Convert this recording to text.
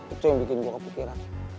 itu yang bikin gue kepikiran